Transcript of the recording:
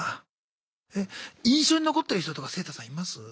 え印象に残ってる人とかセイタさんいます？